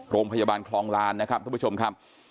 โรงพยาบาลคลองลานนะครับท่านผู้ชมครับ